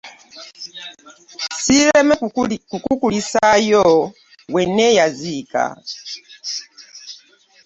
Ssirema kukulisaayo wenna abaaziika.